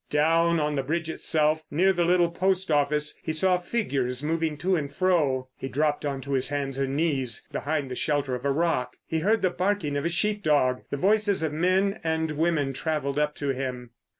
Down on the bridge itself, near the little post office, he saw figures moving to and fro. He dropped on to his hands and knees behind the shelter of a rock. He heard the barking of a sheep dog, the voices of men and women travelled up to him.